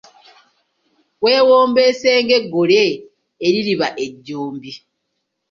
Weewombeese ng'eggole eririba ejjombi.